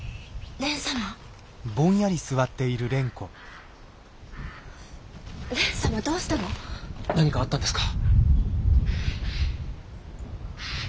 何かあったんですか？